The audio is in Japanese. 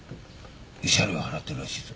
慰謝料払ってるらしいぞ。